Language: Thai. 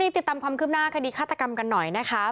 ติดตามความคืบหน้าคดีฆาตกรรมกันหน่อยนะคะ